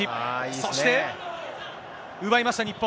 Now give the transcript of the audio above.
そして奪いました、日本。